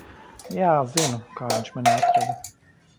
Jā, zinu, kā viņš mani atrada.